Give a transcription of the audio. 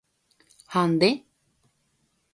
Ha nde?